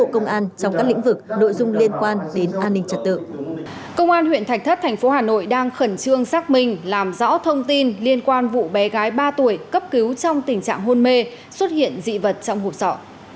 công an huyện thạch thất thành phố hà nội đang khẩn trương xác minh làm rõ thông tin liên quan vụ bé gái ba tuổi cấp cứu trong tình trạng hôn mê xuất hiện dị vật trong hộp sọ